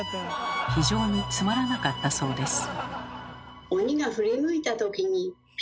非常につまらなかったそうです。